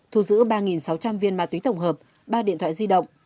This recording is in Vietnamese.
thu giữ ba sáu trăm linh viên ma túy tổng hợp ba điện thoại di động